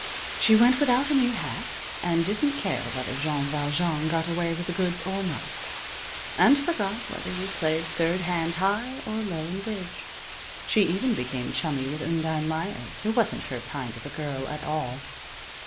She went without a new hat, and didn't care whether Jean Valjean got away with the goods or not, and forgot whether you played third hand high or low in bridge. She even became chummy with Undine Meyers, who wasn't her kind of a girl at all.